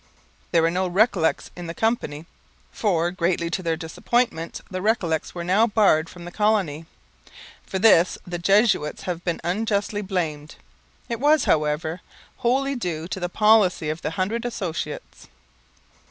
There were no Recollets in the company, for, greatly to their disappointment, the Recollets were now barred from the colony. For this the Jesuits have been unjustly blamed. It was, however, wholly due to the policy of the Hundred Associates.